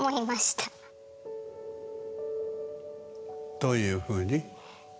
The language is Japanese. どういうふうに？